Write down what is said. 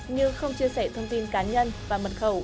như không chia sẻ thông tin cá nhân và mật khẩu